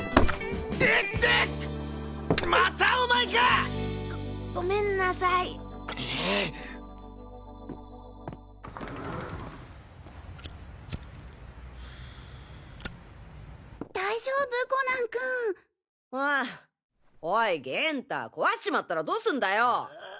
おい元太壊しちまったらどうすんだよ。